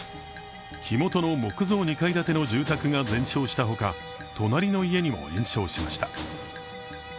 火元の木造２階建ての住宅が全焼したほか隣の家にも延焼しました。